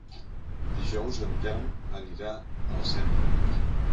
Dijous en Telm anirà a la Sénia.